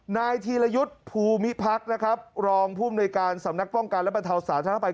นายธีรยุทธ์ภูมิพักรองภูมิในการสำนักป้องกันและประเทศสาธารณะไพร